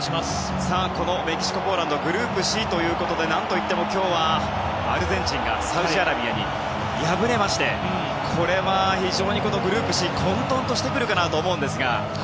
このメキシコ、ポーランドグループＣということでなんといっても今日はアルゼンチンがサウジアラビアに敗れてこれは非常にこのグループＣ混沌としてくるかなと思いますが。